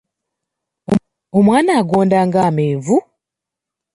Omwana agonda nga Amenvu.